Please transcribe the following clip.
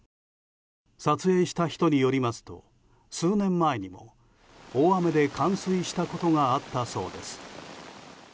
撮影した人によりますと数年前にも大雨で冠水したことがあったそうです。